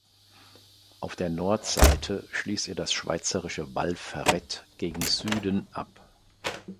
Auf der Nordseite schliesst er das schweizerische Val Ferret gegen Süden ab.